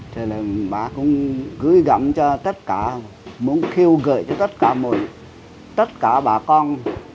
thì là bà cũng gửi gặm cho tất cả muốn khiêu gợi cho tất cả bà con